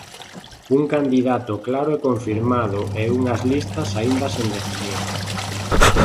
Un candidato claro e confirmado e unhas listas aínda sen definir.